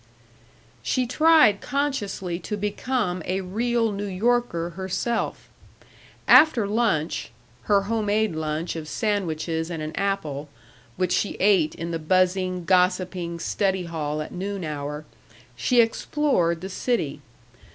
She tried consciously to become a real New Yorker herself. After lunch her home made lunch of sandwiches and an apple which she ate in the buzzing, gossiping study hall at noon hour, she explored the city.